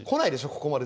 ここまで。